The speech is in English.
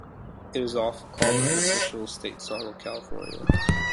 It is often called the unofficial state song of California.